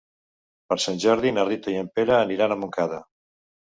Per Sant Jordi na Rita i en Pere aniran a Montcada.